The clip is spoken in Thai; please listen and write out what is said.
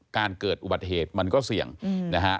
เกิดอุบัติเหตุมันก็เสี่ยงนะฮะ